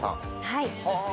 はい。